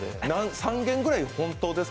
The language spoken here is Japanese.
３件ぐらい、本当ですか？